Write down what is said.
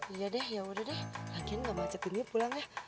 iya deh yaudah deh lagian enggak baca dunia pulang ya